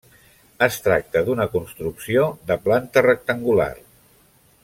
Es tracta d'una construcció de planta rectangular.